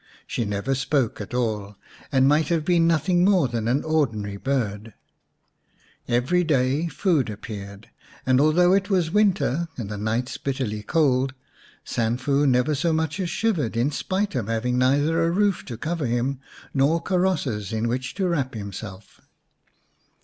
She never spoke at all, and might have been nothing more than an ordinary bird. Every day food appeared, and although it was 245 The White Dove xx winter and the nights bitterly cold, Sanfu never so much as shivered in spite of having neither a roof to cover him nor karosses in which to wrap himself.